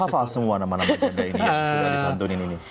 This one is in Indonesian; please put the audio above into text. bang irul hafal semua nama nama janda ini yang sudah disantunin ini